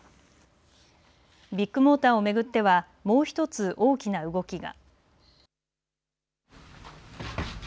ビッグモーターを巡ってはもう１つ大きな動きが。